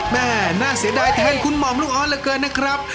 แม่น่าเสียดายแทนคุณหม่อมลูกออสเหลือเกินนะครับ